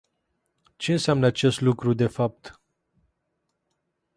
Ce înseamnă acest lucru de fapt?